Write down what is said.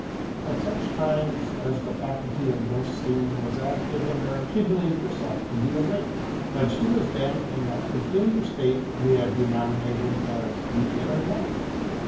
At such times as the faculty of ghost seeing was active in her, she believed herself to be awake ; but she was then in that peculiar state we have deno minated as the inner life.